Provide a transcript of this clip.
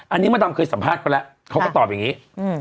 อันนี้มดดำเคยสัมภาษณ์เขาแล้วเขาก็ตอบอย่างนี้